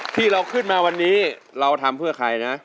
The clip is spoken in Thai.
ที่เราขึ้นมาวันนี้เราทำเพื่อใครนะ